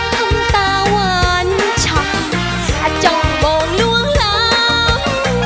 ทำตาวันชอบจังมกลวงรวม